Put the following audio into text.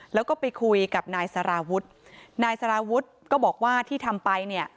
แล้วก็ไปคุยกับนายสารวุฒินายสารวุฒิก็บอกว่าที่ทำไปเนี่ย